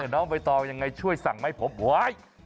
น้องไปต่อยังไงช่วยสั่งให้ผมไว้